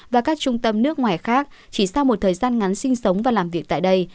và các trung tâm nước ngoài khác chỉ sau một thời gian ngắn sinh sống và làm việc tại đây